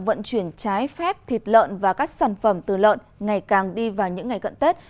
vận chuyển trái phép thịt lợn và các sản phẩm từ lợn ngày càng đi vào những ngày gần tết